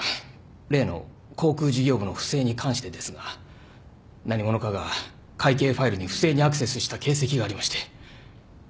例の航空事業部の不正に関してですが何者かが会計ファイルに不正にアクセスした形跡がありまして。